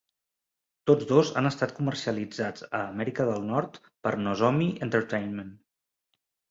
Tots dos han estat comercialitzats a Amèrica del Nord per Nozomi Entertainment.